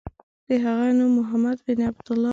د هغه نوم محمد بن عبدالله و.